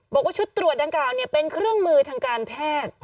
บอกว่าชุดตรวจดังกล่าวเป็นเครื่องมือทางการแพทย์